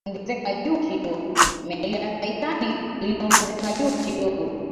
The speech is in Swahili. meli ya titanic iliongezeka juu kidogo